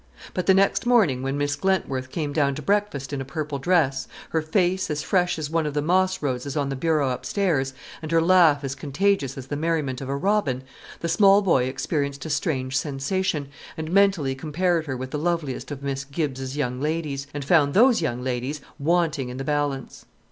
But the next morning when Miss Glentworth came down to breakfast in a purple dress, her face as fresh as one of the moss roses on the bureau upstairs, and her laugh as contagious as the merriment of a robin, the small boy experienced a strange sensation, and mentally compared her with the loveliest of Miss Gibbs's young ladies, and found those young ladies wanting in the balance.